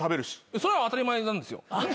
それは当たり前なんですよ。